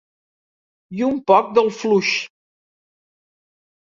I un poc del fluix.